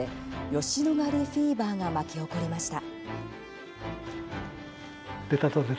吉野ヶ里フィーバーが巻き起こりました。